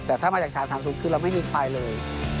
แต่ถ้ามาจาก๓๓๐คือเราไม่มีใครเลย